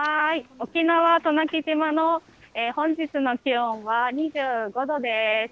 沖縄・渡名喜島の本日の気温は２５度です。